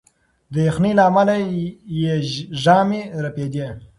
د یخنۍ له امله یې ژامې رپېدې.